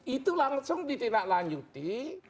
itu langsung ditindaklanjuti